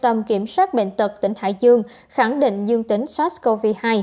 tâm kiểm soát bệnh tật tỉnh hải dương khẳng định dương tính sars cov hai